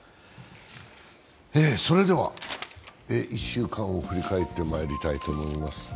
それでは１週間を振り返ってまいりたいと思います。